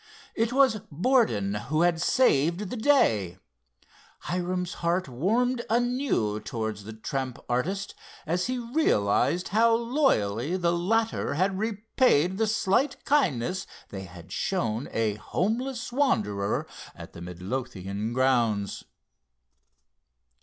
It was Borden who had saved the day. Hiram's heart warmed anew towards the tramp artist as he realized how loyally the latter had repaid the slight kindness they had shown a homeless wanderer at the Midlothian grounds.